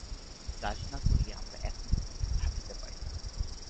কাজ না করিয়া আমরা এক মুহূর্ত থাকিতে পারি না।